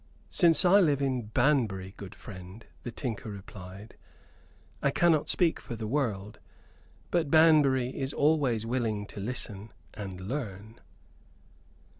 "Since I live in Banbury, good friend," the tinker replied, "I cannot speak for the world. But Banbury is always willing to listen, and learn."